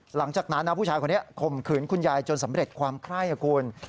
หลังจากนั้นนะผู้ชายคนนี้ข่มขืนคุณยายจนสำเร็จความไคร้คุณ